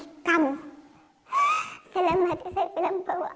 meskipun tidak ada orang di situ